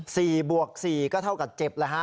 สี่บวกสี่ก็เท่ากับเจ็บเลยฮะ